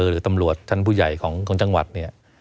หรือตำรวจชั้นผู้ใหญ่ของจังหวัดเนี่ย